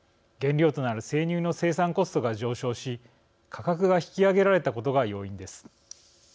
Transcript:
原料となる生乳の生産コストが上昇し価格が引き上げられたことが要因です。